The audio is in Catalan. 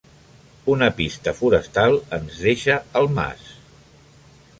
Una pista forestal ens deixa al mas.